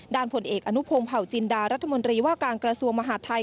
ผลเอกอนุพงศ์เผาจินดารัฐมนตรีว่าการกระทรวงมหาดไทย